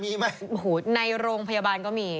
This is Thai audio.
มีไหมในโรงพยาบาลก็มี